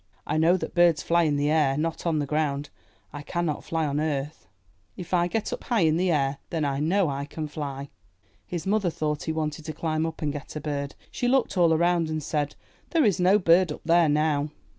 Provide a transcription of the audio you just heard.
I know that birds fly in the air, not on the ground. I can not fly on earth. If I get up high in 389 mV bookhouse the air, then I know I can fly.*' His mother thought he wanted to climb up and get a bird; she looked all around and said, ''Thene is no bird up there now."